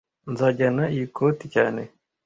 Nzajyana iyi koti cyane